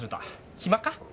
暇か？